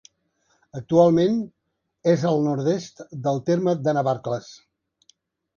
Actualment és al nord-est del terme de Navarcles.